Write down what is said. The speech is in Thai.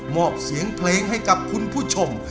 อบเสียงเพลงให้กับคุณผู้ชม